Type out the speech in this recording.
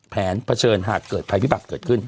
เผชิญหากเกิดภัยพิบัติเกิดขึ้น